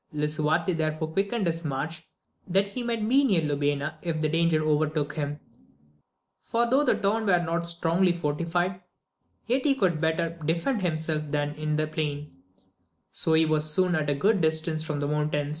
Lisuarte therefore quick ened his march that he might be near Lubayna, if the danger overtook him ; for though the town were not strongly fortified, yet he could better defend himself there than in the plain : so he was soon at a good dis tance from the mountain.